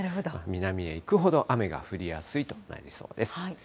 南へ行くほど雨が降りやすいとなりそうです。